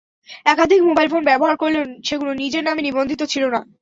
একাধিক mobile phone ব্যবহার করলেও সেগুলো নিজের নামে নিবন্ধিত ছিল না।